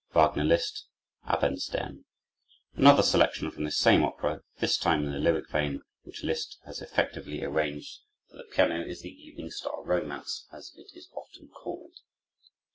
Wagner Liszt: Abendstern Another selection from this same opera, this time in the lyric vein, which Liszt has effectively arranged for the piano, is the "Evening Star Romance," as it is often called.